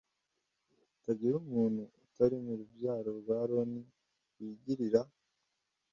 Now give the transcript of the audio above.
hatagira umuntu utari mu rubyaro rwa Aroni wigirira